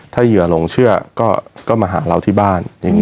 ถ้าเหยื่อหลงเชื่อก็มาหาเราที่บ้าน